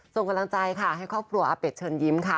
ส่งกำลังใจค่ะให้ครอบครัวอาเป็ดเชิญยิ้มค่ะ